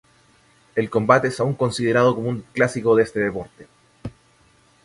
El combate es aún considerado como un clásico de este deporte.